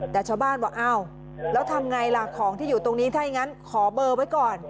แต่ชาวบ้านบอกอ้าวแล้วทำไงล่ะของที่อยู่ตรงนี้ถ้าอย่างนั้นขอเบอร์ไว้ก่อน